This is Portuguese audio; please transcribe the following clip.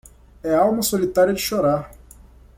É a alma solitária de chorar